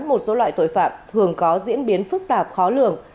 một số loại tội phạm thường có diễn biến phức tạp khó lường